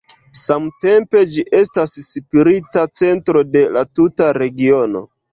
Samtempe ĝi estas spirita centro de la tuta regiono.